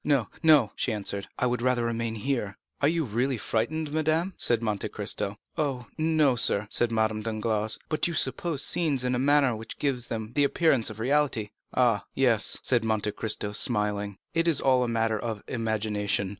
"No, no," she answered, "I would rather remain here." "Are you really frightened, madame?" said Monte Cristo. "Oh, no, sir," said Madame Danglars; "but you suppose scenes in a manner which gives them the appearance of reality." 30223m "Ah, yes," said Monte Cristo smiling; "it is all a matter of imagination.